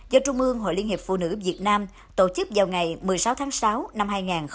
do trung ương hội liên hiệp phụ nữ việt nam tổ chức vào ngày một mươi sáu tháng sáu năm hai nghìn hai mươi